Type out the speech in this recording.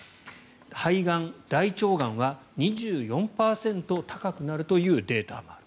肺がん、大腸がんは２４％高くなるというデータもある。